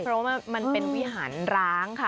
เพราะว่ามันเป็นวิหารร้างค่ะ